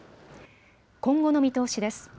今後の見通しです。